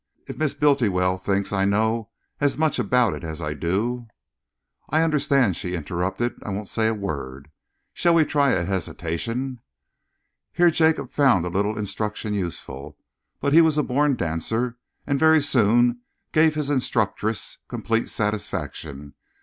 "If Miss Bultiwell thinks I know as much about it as I do " "I understand," she interrupted. "I won't say a word. Shall we try a hesitation?" Here Jacob found a little instruction useful, but he was a born dancer and very soon gave his instructress complete satisfaction.